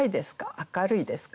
明るいですか？